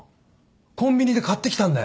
コンビニで買ってきたんだよ。